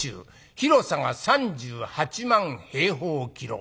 広さが三十八万平方キロ。